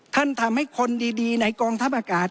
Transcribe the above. ทำให้คนดีในกองทัพอากาศ